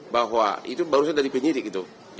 bahwa itu barusan dari penyidik itu